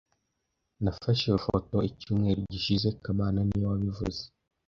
Nafashe iyo foto icyumweru gishize kamana niwe wabivuze